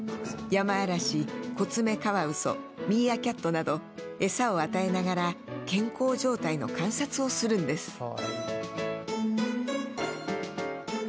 ヤマアラシ、コツメカワウソミーアキャットなど餌を与えながら健康状態の観察をするんです。